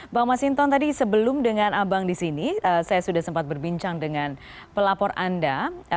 bang masinton tadi sebelum dengan abang di sini saya sudah sempat berbincang dengan pelapor anda